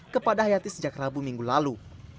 kepada hayati sejak rabu minggu lalu